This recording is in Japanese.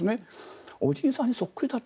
おじいさんにそっくりだと。